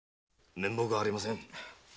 面目ありません。